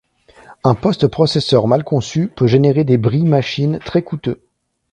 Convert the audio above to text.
Un post-processeur mal conçu peut générer des bris machines très coûteux.